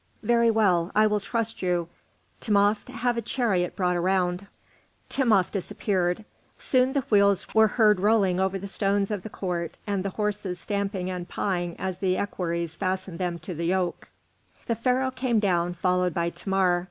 "Very well, I will trust you. Timopht, have a chariot brought around." Timopht disappeared. Soon the wheels were heard rolling over the stones of the court, and the horses stamping and pawing as the equerries fastened them to the yoke. The Pharaoh came down, followed by Thamar.